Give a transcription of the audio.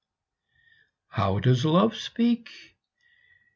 How does Love speak?